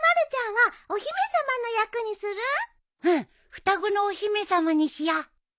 双子のお姫様にしよう。